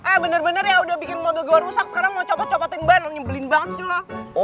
eh bener bener ya udah bikin mobil gua rusak sekarang mau copot copotin ban lu nyembelin banget sih lu